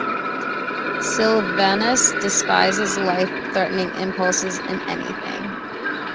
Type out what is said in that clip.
Silvanus despises life-threatening impulses in anything.